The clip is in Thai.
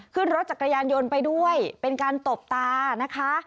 ขึ้นรถจักรยานยนต์ไปด้วยเป็นการตบตานะคะ